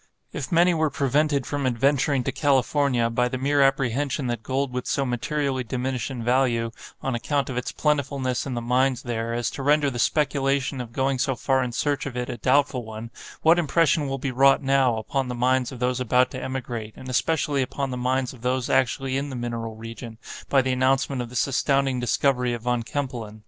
If many were prevented from adventuring to California, by the mere apprehension that gold would so materially diminish in value, on account of its plentifulness in the mines there, as to render the speculation of going so far in search of it a doubtful one—what impression will be wrought now, upon the minds of those about to emigrate, and especially upon the minds of those actually in the mineral region, by the announcement of this astounding discovery of Von Kempelen?